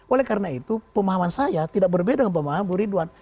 oleh karena itu pemahaman saya tidak berbeda dengan pemahaman bu ridwan